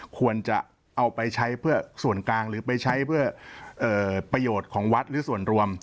ควรจะเอาไปใช้เพื่อส่วนกลางหรือไปใช้เพื่อประโยชน์ของวัดหรือส่วนรวม